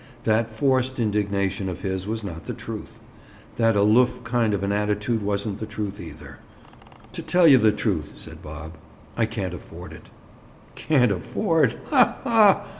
That forced indignation of his was not the truth; that aloof kind of an attitude wasn't the truth, either. "To tell you the truth," said Bob, "I can't afford it." "Can't afford. Ha! ha!"